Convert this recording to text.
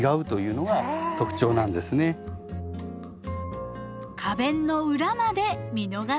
花弁の裏まで見逃せません。